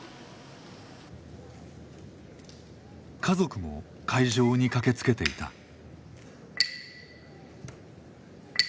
家族も会場に駆けつけていた。